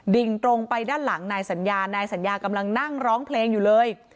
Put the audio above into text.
ดิ่งตรงไปด้านหลังนายสัญญานายสัญญากำลังนั่งร้องเพลงอยู่เลย